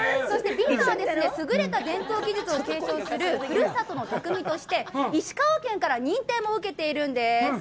そして、美さんは、すぐれた伝統技術を継承する「ふるさとの匠」として石川県から認定も受けているんです。